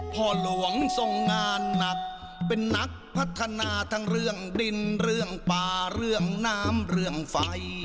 พ่อหลวงทรงงานหนักเป็นนักพัฒนาทั้งเรื่องดินเรื่องป่าเรื่องน้ำเรื่องไฟ